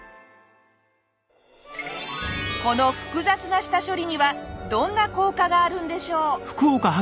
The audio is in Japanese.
この複雑な下処理にはどんな効果があるんでしょう？